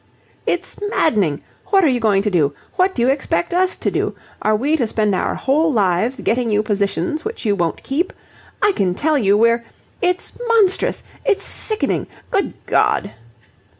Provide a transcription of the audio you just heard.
"It's maddening! What are you going to do? What do you expect us to do? Are we to spend our whole lives getting you positions which you won't keep? I can tell you we're... it's monstrous! It's sickening! Good God!"